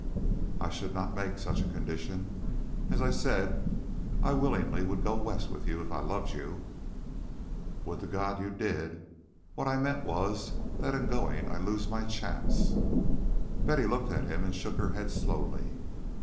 "I should not make such a condition. As I said, I willingly would go West with you if I loved you." "Would to God you did! What I meant was that in going I lose my chance." Betty looked at him and shook her head slowly.